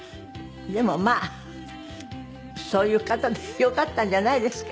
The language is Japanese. でもまあそういう方でよかったんじゃないですか？